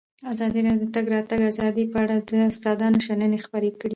ازادي راډیو د د تګ راتګ ازادي په اړه د استادانو شننې خپرې کړي.